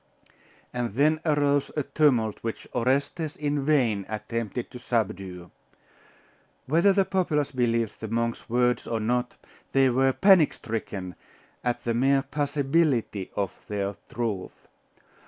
And then arose a tumult, which Orestes in vain attempted to subdue. Whether the populace believed the monk's words or not, they were panic stricken at the mere possibility of their truth.